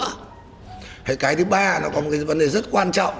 cái thứ ba là có một vấn đề rất quan trọng